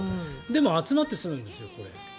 でも、集まってすむんですよ。